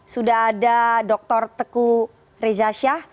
sudah ada dokter teku reza shah